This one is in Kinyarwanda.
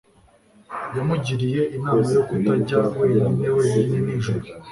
Yamugiriye inama yo kutajya wenyine wenyine nijoro.